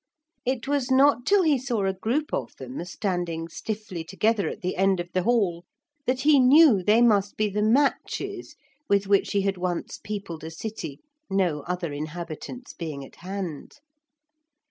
It was not till he saw a group of them standing stiffly together at the end of the hall that he knew they must be the matches with which he had once peopled a city, no other inhabitants being at hand.